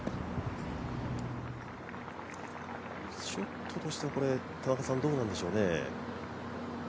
ショットとしてはこれ、どうなんでしょうね。